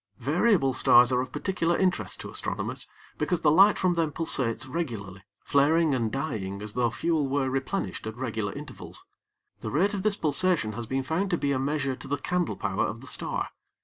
Variable stars are of particular interest to astronomers because the light from them pulsates regularly, flaring and dying as though fuel were replenished at regular intervals. The rate of this pulsation has been found to be a measure to the candle power of the star.